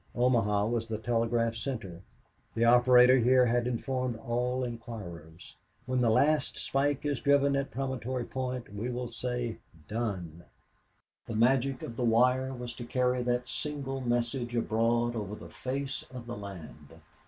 Omaha was the telegraphic center. The operator here had informed all inquirers, "When the last spike is driven at Promontory Point we will say, 'Done!'" The magic of the wire was to carry that single message abroad over the face of the land.